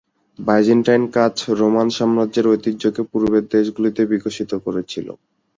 Byzantine কাচ Roman সাম্রাজ্যের ঐতিহ্যকে পূর্বের দেশগুলিতে বিকশিত করেছিল।